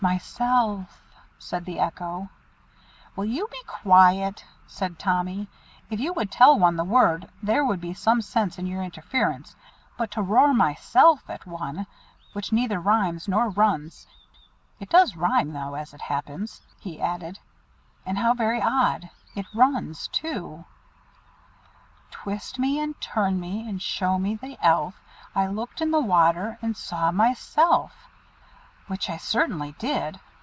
"Myself," said the Echo. "Will you be quiet?" said Tommy. "If you would tell one the word there would be some sense in your interference; but to roar 'Myself!' at one, which neither rhymes nor runs it does rhyme though, as it happens," he added; "and how very odd! it runs too 'Twist me, and turn me, and show me the Elf I looked in the water, and saw myself,' which I certainly did.